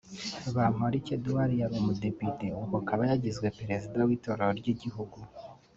Bamporiki Edouard yari umudepite ubu akaba yagizwe Perezida w’Itorero ry’Igihugu